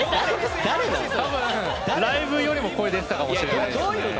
多分、ライブよりも声出てたかもしれないです。